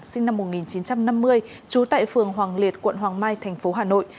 sinh năm một nghìn chín trăm năm mươi trú tại phường hoàng liệt quận hoàng mai tp hà nội